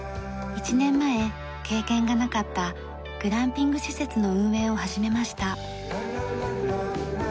１年前経験がなかったグランピング施設の運営を始めました。